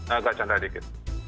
agak canda dikit